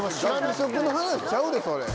学食の話ちゃうでそれ。